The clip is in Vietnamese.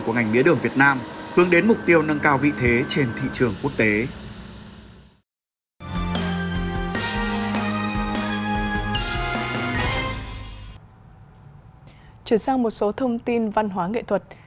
chuyển sang một số thông tin văn hóa nghệ thuật